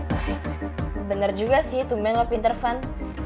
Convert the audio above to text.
wait bener juga sih tumben lo pinter fun